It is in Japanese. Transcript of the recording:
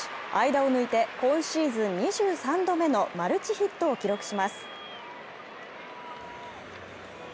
間を抜いて今シーズン２３度目のマルチヒットを記録します。